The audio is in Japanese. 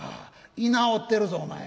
居直ってるぞお前。